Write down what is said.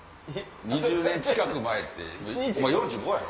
２０年近く前ってお前４５やろ？